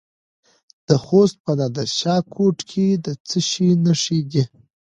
د خوست په نادر شاه کوټ کې د څه شي نښې دي؟